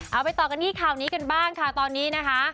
เอาไปต่อกันที่ข่าวนี้กันบ้างค่ะตอนนี้นะคะ